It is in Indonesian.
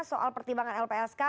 soal pertimbangan lpsk